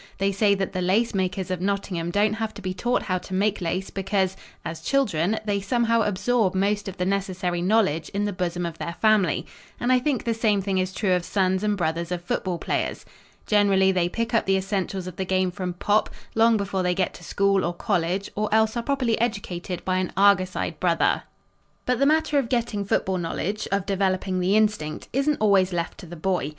They say that the lacemakers of Nottingham don't have to be taught how to make lace because, as children, they somehow absorb most of the necessary knowledge in the bosom of their family, and I think the same thing is true of sons and brothers of football players. Generally, they pick up the essentials of the game from "Pop" long before they get to school or college or else are properly educated by an argus eyed brother. [Illustration: Johnson Edgar Allen Arthur Nelson Gresham Johnny THE POE FAMILY] But the matter of getting football knowledge of developing the instinct isn't always left to the boy.